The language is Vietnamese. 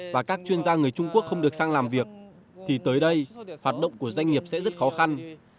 và các chuyên gia người trung quốc không được sang làm việc thì tới đây hoạt động của doanh nghiệp sẽ rất khó khăn